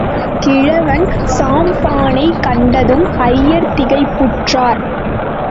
கிழவன் சாம்பானைக் கண்டதும் ஐயர் திகைப்புற்றார்.